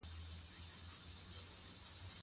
په افغانستان کې کابل شتون لري.